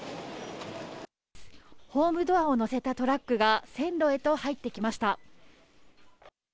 ホームドアを載せたトラックが、線路へと入ってきました。